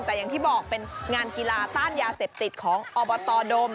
แต่อย่างที่บอกเป็นงานกีฬาต้านยาเสพติดของอบตดม